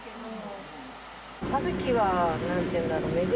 葉月はなんていうんだろう